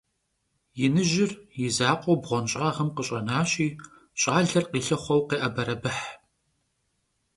Yinıjır yi zakhueu bğuenş'ağım khış'enaşi ş'aler khilhıxhueu khê'eberebıh.